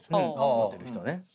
持ってる人ね。